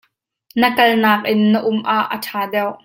Na kal nakin na um ah a ṭha deuh.